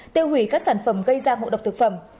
tiêu hủy các sản phẩm gây ra ngộ độc thực phẩm